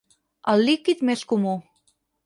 El líquid més comú.